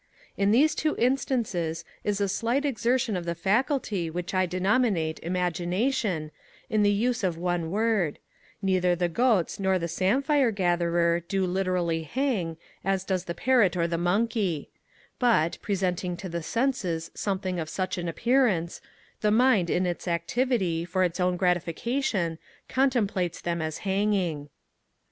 In these two instances is a slight exertion of the faculty which I denominate imagination, in the use of one word: neither the goats nor the samphire gatherer do literally hang, as does the parrot or the monkey; but, presenting to the senses something of such an appearance, the mind in its activity, for its own gratification, contemplates them as hanging.